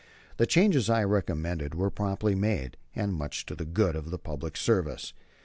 The changes I recommended were promptly made, and much to the good of the public service.